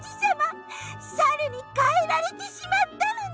サルにかえられてしまったのね！